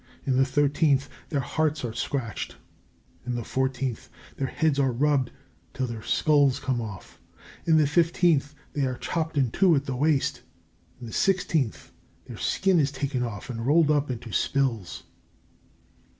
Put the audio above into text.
In the thirteenth, their hearts are scratched. In the fourteenth, their heads are rubbed till their skulls come off. In the fifteenth, they are chopped in two at the waist. In the sixteenth, their skin is taken off and rolled up into spills.